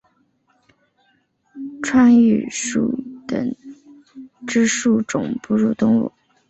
川鼩属等之数种哺乳动物。